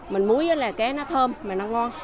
mình muối là cái nó thơm mà nó ngon